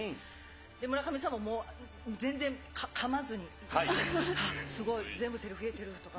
村上さんも、もう全然、かまずに、すごい、全部せりふ言えてるとか。